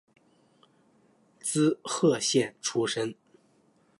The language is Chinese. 滋贺县出身。